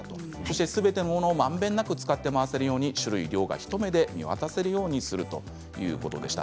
すべてのものをまんべんなく使って回せるように種類と量が一目で見渡せるようにということでした。